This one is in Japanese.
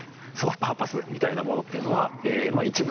パーパスみたいなものっていうのは一文でまとめる。